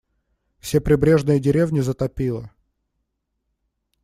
Все прибрежные деревни затопило.